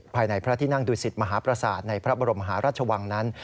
ภายในพระที่นั่งดูสิตมหาประสาทในพระบรมหาราชวังนั้น